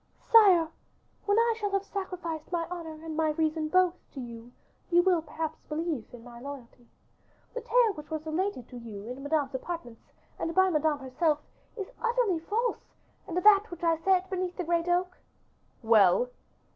"Sire, when I shall have sacrificed my honor and my reason both to you, you will perhaps believe in my loyalty. The tale which was related to you in Madame's apartments, and by Madame herself, is utterly false; and that which I said beneath the great oak " "Well!"